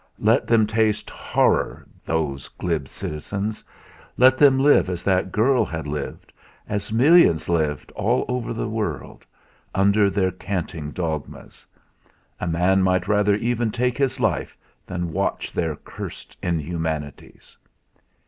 Let them taste horror those glib citizens! Let them live as that girl had lived, as millions lived all the world over, under their canting dogmas! A man might rather even take his life than watch their cursed inhumanities.